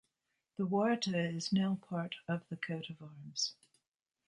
The Warte is now part of the coat of arms.